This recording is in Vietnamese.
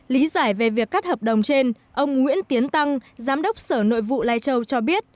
lý giải về việc cắt hợp đồng trên ông nguyễn tiến tăng giám đốc sở nội vụ lai châu cho biết